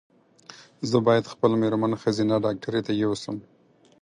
زه باید خپل مېرمن ښځېنه ډاکټري ته یو سم